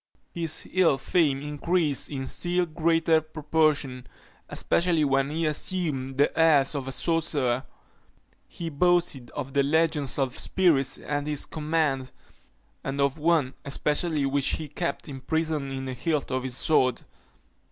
His ill fame increased in still greater proportion, especially when he assumed the airs of a sorcerer. He boasted of the legions of spirits at his command; and of one especially, which he kept imprisoned in the hilt of his sword.